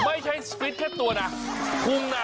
ไม่ใช่ฟิตแค่ตัวน่ะคุ้มน่ะ